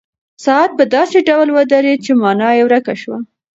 ساعت په داسې ډول ودرېد چې مانا یې ورکه شوه.